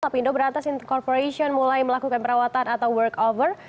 tapindo berantas incorporation mulai melakukan perawatan atau work over